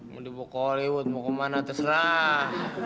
mau dibuka hollywood mau kemana terserah